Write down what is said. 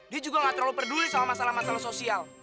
dia juga gak terlalu peduli sama masalah masalah sosial